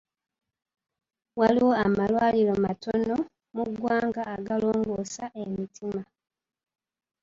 Waliwo amalwaliro matono mu ggwanga agalongoosa emitima.